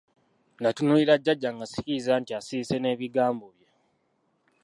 Natunuulira jjajja nga sikikkiriza nti asirise n'ebigambo bye.